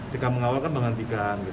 jika mengawal kan menghentikan